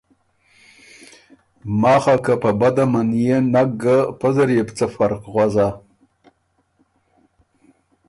ماخه که په بده منيېن نک ګه، پۀ زر يې بو څۀ فرق نک غؤزا۔